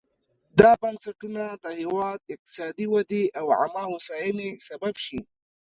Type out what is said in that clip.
دا بنسټونه د هېواد اقتصادي ودې او عامه هوساینې سبب شي.